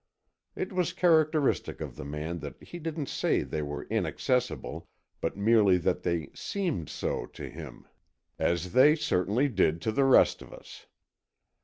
It was characteristic of the man that he didn't say they were inaccessible but merely that they seemed so to him. As they certainly did to the rest of us.